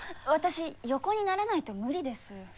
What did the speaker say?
私横にならないと無理です。